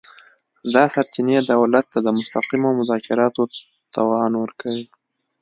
دا سرچینې دولت ته د مستقیمو مذاکراتو توان ورکوي